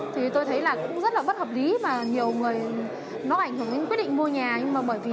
thì tôi thấy là cũng rất là bất hợp lý và nhiều người nó ảnh hưởng đến quyết định mua nhà nhưng mà bởi vì